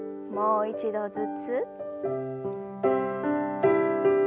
もう一度ずつ。